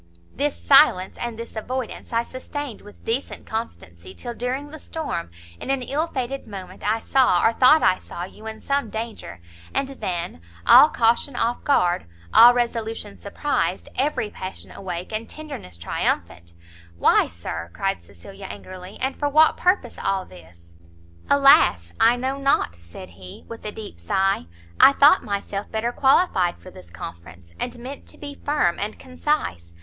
"This silence and this avoidance I sustained with decent constancy, till during the storm, in an ill fated moment, I saw, or thought I saw you in some danger, and then, all caution off guard, all resolution surprised, every passion awake, and tenderness triumphant " "Why, Sir," cried Cecilia, angrily, "and for what purpose all this?" "Alas, I know not!" said he, with a deep sigh, "I thought myself better qualified for this conference, and meant to be firm and concise.